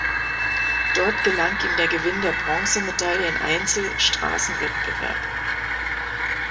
Dort gelang ihm der Gewinn der Bronzemedaille in Einzel-Straßenwettbewerb.